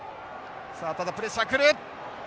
さあただプレッシャー来る！